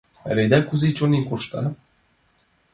Паледа, кузе чонем коршта...